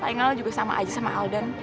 paling ngga lo juga sama aja sama alden